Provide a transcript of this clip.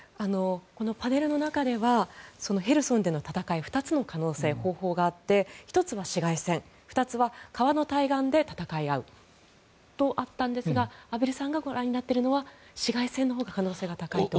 このパネルの中ではヘルソンでの戦い２つの可能性、方法があって１つは市街戦２つは川の対岸で戦い合うとあったんですが畔蒜さんがご覧になっているのは市街戦のほうが可能性が高いと。